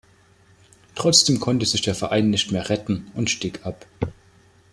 Trotzdem konnte sich der Verein nicht mehr retten und stieg ab.